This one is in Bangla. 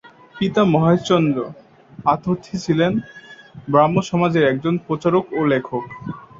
পিতা মহেশচন্দ্র আতর্থী ছিলেন ব্রাহ্মসমাজের একজন প্রচারক ও লেখক।